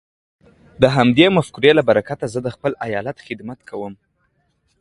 د همدې مفکورې له برکته زه د خپل ايالت خدمت کوم.